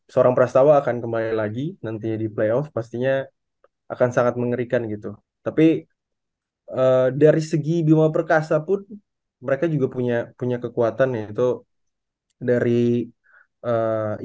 sebelum memulai playoff gitu sih